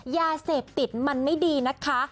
ยาเสพติดมันไม่ดีนะคะ